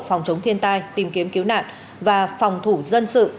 phòng chống thiên tai tìm kiếm cứu nạn và phòng thủ dân sự